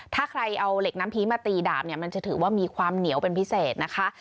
ถ้าใครเอาเหล็กน้ำพีมาตีดาบเนี่ยมันจะถือว่ามีความเหนียวเป็นพิเศษนะคะ